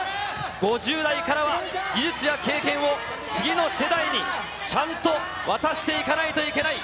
５０代からは技術や経験を次の世代にちゃんと渡していかないといけない。